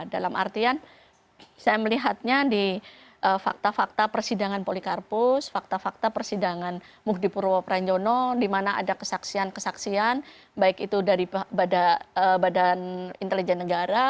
dalam artian saya melihatnya di fakta fakta persidangan polikarpus fakta fakta persidangan muhdipurwo pranjono di mana ada kesaksian kesaksian baik itu dari badan intelijen negara